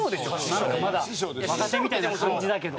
なんかまだ若手みたいな感じだけど。